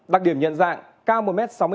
đặc điểm nhận dạng cao một m sáu mươi